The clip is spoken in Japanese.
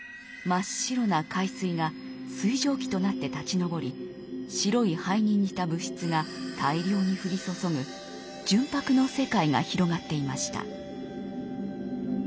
真っ白な海水が水蒸気となって立ちのぼり白い灰に似た物質が大量に降り注ぐ純白の世界が広がっていました。